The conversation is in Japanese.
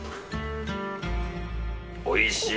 おいしい。